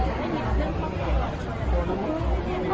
และอยากเลือกพ่อเกย์